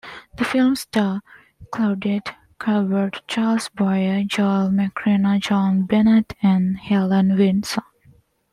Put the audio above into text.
The film stars Claudette Colbert, Charles Boyer, Joel McCrea, Joan Bennett, and Helen Vinson.